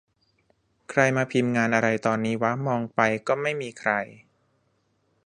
ใครมาพิมพ์งานอะไรตอนนี้วะ มองไป ก็ไม่มีใคร